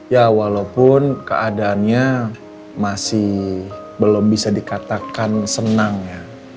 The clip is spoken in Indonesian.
ya walaupun keadaannya masih belum bisa dikatakan senang ya